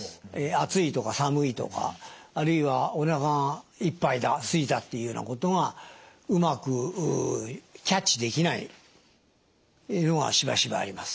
暑いとか寒いとかあるいはおなかがいっぱいだすいたっていうようなことがうまくキャッチできないっていうのがしばしばあります。